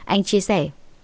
anh chia sẻ